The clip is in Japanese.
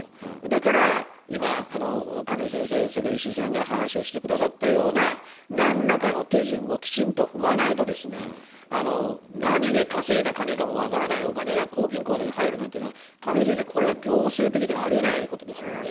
だから、今、亀井先生、それから石井さんが話をしてくださったような、なんらかの手順をきちんと踏まないと、何で稼いだ金かも分からないお金が公金口座に入るなんていうのは、亀井先生、これは行政的にありえないことですよね。